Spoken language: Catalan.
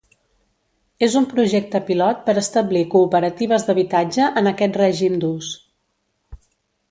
És un projecte pilot per establir cooperatives d'habitatge en aquest règim d'ús.